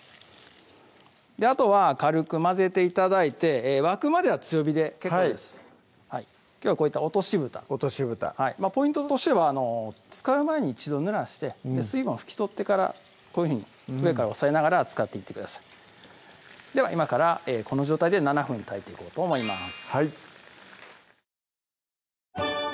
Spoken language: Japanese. あとは軽く混ぜて頂いて沸くまでは強火で結構ですはいきょうはこういった落としぶた落としぶたポイントとしては使う前に一度ぬらして水分を拭き取ってからこういうふうに上から押さえながら使っていってくださいでは今からこの状態で７分炊いていこうと思います